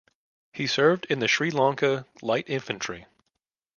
He served in the Sri Lanka Light Infantry.